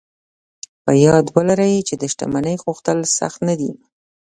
په ياد ولرئ چې د شتمنۍ غوښتل سخت نه دي.